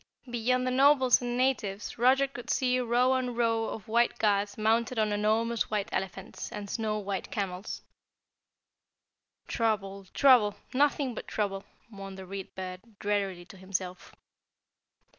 Beyond the Nobles and natives Roger could see row on row of white guards mounted on enormous white elephants and snow white camels. "Trouble, trouble, nothing but trouble!" mourned the Read Bird drearily to himself.